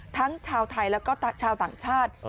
ทั้งชาวไทยแล้วก็ชาวต่างชาติ